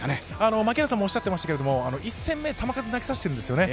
槙原さんもおっしゃっていましたけれども、１戦目、球数投げさせているんですよね。